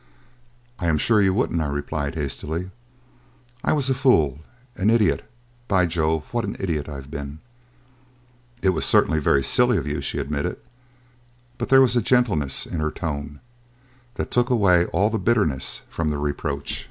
"I am sure you wouldn't," I replied hastily. "I was a fool, an idiot by Jove, what an idiot I have been!" "It was certainly very silly of you," she admitted; but there was a gentleness in her tone that took away all bitterness from the reproach.